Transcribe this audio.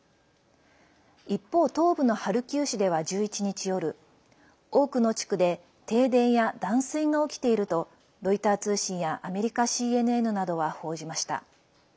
一方、東部のハルキウ市では１１日夜多くの地区で停電や断水が起きているとロイター通信やアメリカＣＮＮなどは報じました。